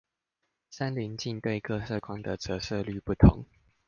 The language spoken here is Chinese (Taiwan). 三稜鏡對各色光的折射率不同